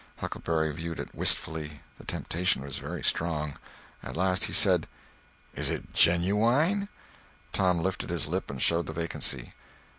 Huckleberry viewed it wistfully. The temptation was very strong. At last he said: "Is it genuwyne?" Tom lifted his lip and showed the vacancy.